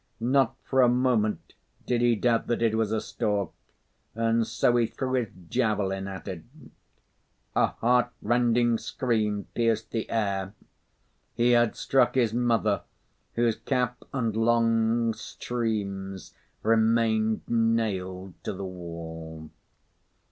Not for a moment did he doubt that it was a stork, and so he threw his javelin at it. A heart rending scream pierced the air. He had struck his mother, whose cap and long streams remained nailed to the wall.